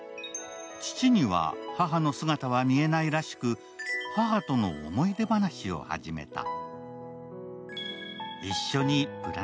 父には母の姿は見えないらしく母との思い出話を始めた。